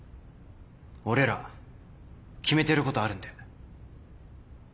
俺ら決めてることあるんで。